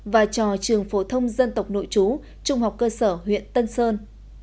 và cho trường phổ thông dân tộc nội chú trung học cơ sở huyện tân sơn